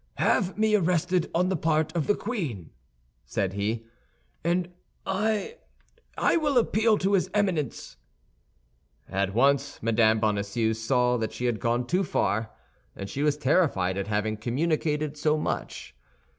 "Have me arrested on the part of the queen," said he, "and I—I will appeal to his Eminence." At once Mme. Bonacieux saw that she had gone too far, and she was terrified at having communicated so much.